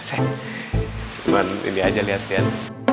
cuma ini aja lihat lihat